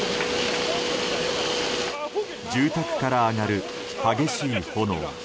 住宅から上がる激しい炎。